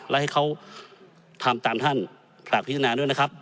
และให้เขาทำตามท่านฝากพิจารณาด้วยนะครับ